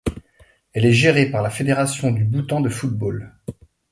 Elle est gérée par la Fédération du Bhoutan de football.